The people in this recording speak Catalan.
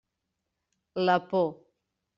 La por.